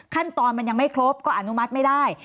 ขั้นตอนมันยังไม่ครบก็อนุมัติไม่ได้